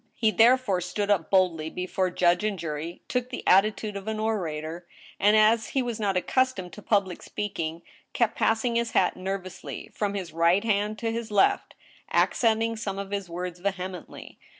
He therefore stood up boldly before judge and jury, took the attitude of an orator, and, as he was not accustomed to public speaking, kept passing his hat nervously from his right hand to his left, accenting some of his words vehemently.